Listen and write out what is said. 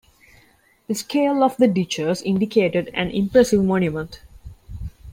The scale of the ditches indicated an impressive monument.